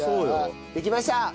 できました！